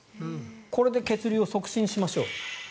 これで血流を促進しましょう。